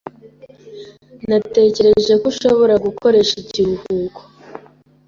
Natekereje ko ushobora gukoresha ikiruhuko.